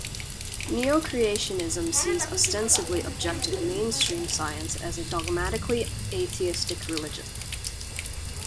Neo-creationism sees ostensibly objective mainstream science as a dogmatically atheistic religion.